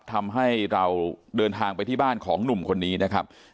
ทำให้เราเดินทางไปที่บ้านของหนุ่มคนนี้นะครับ